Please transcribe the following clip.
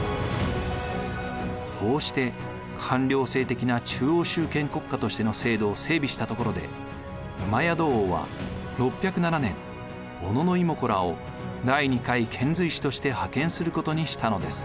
こうして官僚制的な中央集権国家としての制度を整備したところで戸王は６０７年小野妹子らを第２回遣隋使として派遣することにしたのです。